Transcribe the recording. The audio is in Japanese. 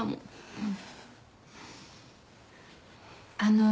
うん。